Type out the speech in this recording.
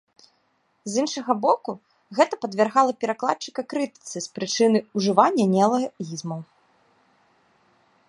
З іншага боку, гэта падвяргала перакладчыка крытыцы з прычыны ўжывання неалагізмаў.